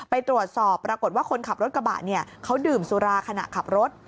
ไปตรวจสอบปรากฏว่าคนขับรถกระบะเนี่ยเขาดื่มสุราขณะขับรถ